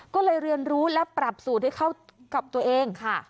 ก็เลยเรียนรู้และปรับสูตรให้เข้ากับตัวเองค่ะ